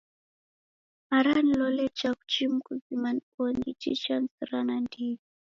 Ara nilole chaghu chimu kizima nibonye. Ichi chanisira ndighi.